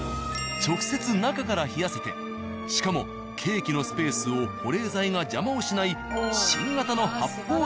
直接中から冷やせてしかもケーキのスペースを保冷剤が邪魔をしない